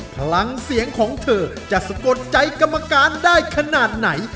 พลังเสียงของเธอจะสะกดใจกรรมการได้ขนาดไหน